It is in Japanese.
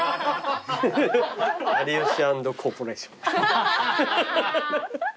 有吉＆コーポレーション。